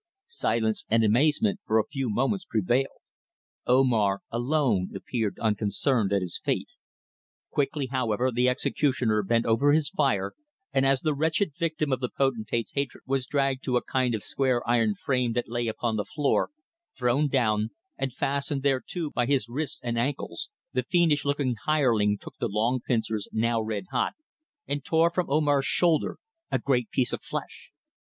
Silence and amazement for a few moments prevailed. Omar alone appeared unconcerned at his fate. Quickly, however, the executioner bent over his fire, and as the wretched victim of the potentate's hatred was dragged to a kind of square iron frame that lay upon the floor, thrown down, and fastened thereto by his wrists and ankles, the fiendish looking hireling took the long pincers, now red hot, and tore from Omar's shoulder a great piece of flesh.